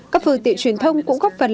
các phương tiện truyền thông cũng góp phần